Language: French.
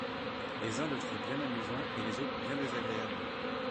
Les uns le trouvent bien amusant et les autres bien désagréable !